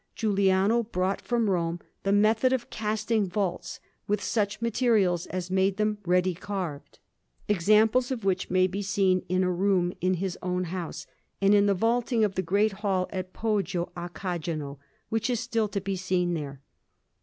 Giuliano brought from Rome the method of casting vaults with such materials as made them ready carved; examples of which may be seen in a room in his own house, and in the vaulting of the Great Hall at Poggio a Cajano, which is still to be seen there.